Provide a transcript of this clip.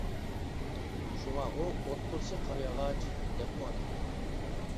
شۇڭا ئۇ «ئوتتۇرىسى قارا ياغاچ» دەپمۇ ئاتىلىدۇ.